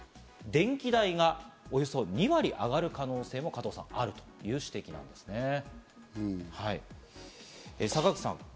電気代がおよそ２割上がる可能性もあるということです、加藤さん。